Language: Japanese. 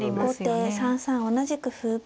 後手３三同じく歩。